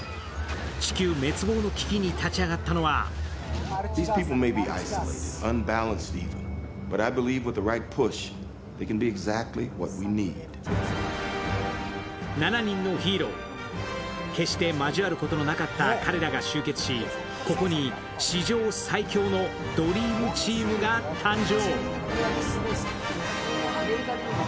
地球滅亡の危機に立ち上がったのは７人のヒーロー、決して交わることがなかった彼らが集結し、ここに史上最強のドリームチームが誕生。